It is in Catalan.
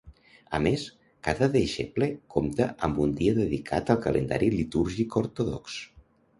A més, cada deixeble compta amb un dia dedicat al calendari litúrgic ortodox.